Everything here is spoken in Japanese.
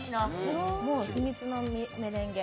もう秘密のメレンゲ。